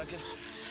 surip lo kemana